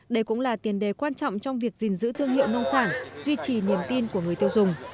đây cũng là tiền đề quan trọng trong việc gìn giữ thương hiệu nông sản duy trì niềm tin của người tiêu dùng